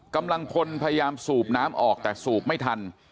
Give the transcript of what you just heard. กำลังพลพยายามสูบน้ำออกแต่สูบไม่ทัน